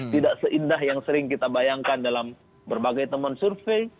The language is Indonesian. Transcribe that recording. tidak seindah yang sering kita bayangkan dalam berbagai teman survei